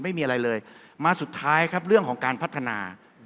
ไม่มีอะไรเลยมาสุดท้ายครับเรื่องของการพัฒนา